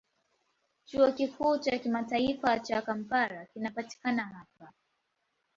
Chuo Kikuu cha Kimataifa cha Kampala kinapatikana hapa.